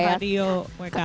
iya memang kardio